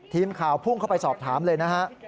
ทีมข่าวพุ่งเข้าไปสอบถามเลยนะฮะ